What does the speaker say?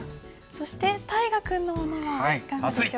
そして大河君のものはいかがでしょう？